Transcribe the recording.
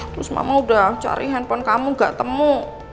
terus mama udah cari handphone kamu gak temu